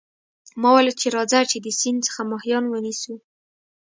ما وویل چې راځه چې د سیند څخه ماهیان ونیسو.